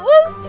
nanti gue jalan